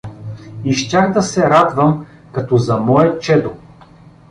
И щях да се радвам като за мое чедо.